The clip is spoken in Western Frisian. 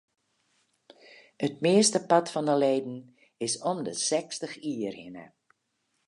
It meastepart fan de leden is om de sechstich jier hinne.